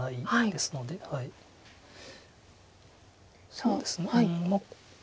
そうですねうん。